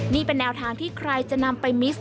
นี่เป็นแนวทางที่ใครจะนำไปมิสต